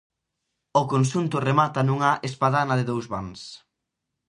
O conxunto remata nunha espadana de dous vans.